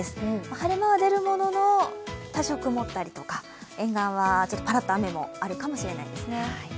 晴れ間は出るものの、多少曇ったりとか、沿岸はパラッと雨もあるかもしれないですね。